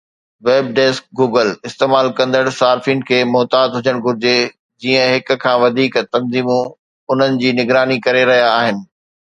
WebDeskGoogle استعمال ڪندڙ صارفين کي محتاط هجڻ گهرجي جيئن هڪ کان وڌيڪ تنظيمون انهن جي نگراني ڪري رهيا آهن